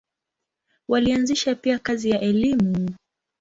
Walianzisha pia kazi ya elimu.